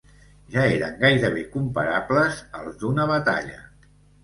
Ja eren gairebé comparables als d'una batalla